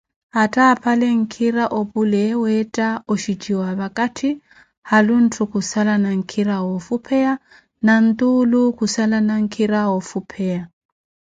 Attaaphale nkhira opule weetta oxhiciwa vakatthi, haalu ntthu khusalana nkhira woofupheya na ntuulu khusalana nkhira woofupheya.